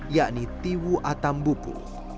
yakni tiwu atambupu